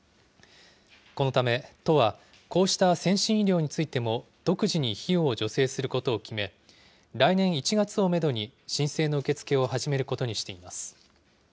このため都は、こうした先進医療についても、独自に費用を助成することを決め、来年１月をメドに、申請の受け付けを始めることにしています。